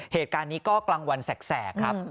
เหตุการณ์นี้ก็กลางวันแสกครับ